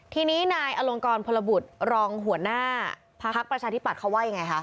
ทีนี้นายอลงกรพลบุตรรองหัวหน้าพักประชาธิบัตย์เขาว่ายังไงคะ